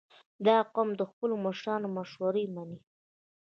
• دا قوم د خپلو مشرانو مشورې منې.